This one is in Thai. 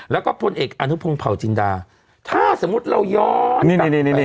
แล้วก็พลเอกอนุพงศ์เผาจินดาถ้าสมมุติเราย้อนไป